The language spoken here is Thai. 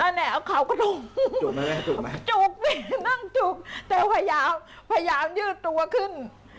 เออหน้าเอาเข่ากระทุ้งจุกสินั่งจุกแต่พยายามพยายามยืดตัวขึ้น